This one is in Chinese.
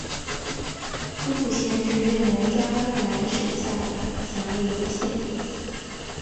诸蒲县是越南嘉莱省下辖的一个县。